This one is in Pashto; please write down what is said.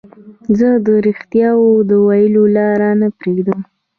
زه د رښتیاوو د ویلو لار نه پريږدم.